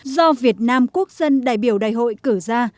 do việt nam quốc dân đại biểu đại hội cử ra